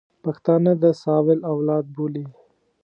پښتانه د ساول اولاد بولي.